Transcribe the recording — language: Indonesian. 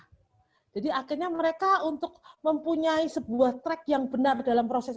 mereka jadi susah jadi akhirnya mereka untuk mempunyai sebuah track yang benar dalam proses